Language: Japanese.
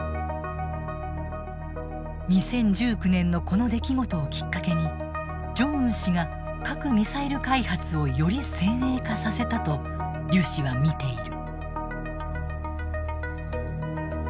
２０１９年のこの出来事をきっかけにジョンウン氏が核・ミサイル開発をより先鋭化させたとリュ氏は見ている。